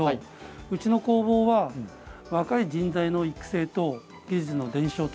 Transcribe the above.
うちの工房は若い人材の育成と技術の伝承